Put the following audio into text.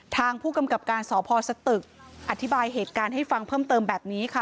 ทางผู้กำกับการสพสตึกอธิบายเหตุการณ์ให้ฟังเพิ่มเติมแบบนี้ค่ะ